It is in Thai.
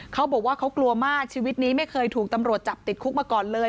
เขาบอกว่าเขากลัวมากชีวิตนี้ไม่เคยถูกตำรวจจับติดคุกมาก่อนเลย